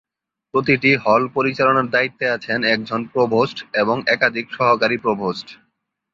প্রতিটি হল পরিচালনার দায়িত্বে আছেন একজন প্রভোস্ট এবং একাধিক সহকারী প্রভোস্ট।